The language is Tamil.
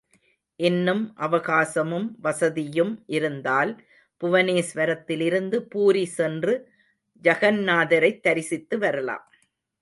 இன்னும் அவகாசமும் வசதியும் இருந்தால், புவனேஸ்வரத்திலிருந்து பூரி சென்று ஜகந்நாதரைத் தரிசித்து வரலாம்.